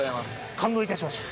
感動いたしました。